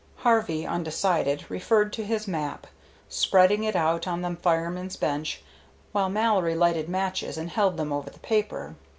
Harvey, undecided, referred to his map, spreading it out on the fireman's bench while Mallory lighted matches and held them over the paper.